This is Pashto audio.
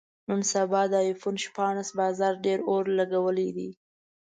نن سبا د ایفون شپاړس بازار ډېر اور لګولی دی.